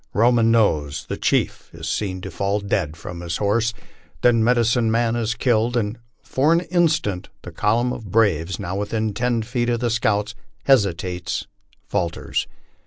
Roman Nose, the chief, is seen to fall dead from his horse, then Medicine Man is killed, and for an instant the column of braves, now within ten feet of the scouts, hesitates falters.